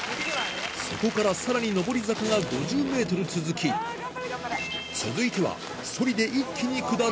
そこからさらに上り坂が５０ｍ続き続いてはソリで一気に下る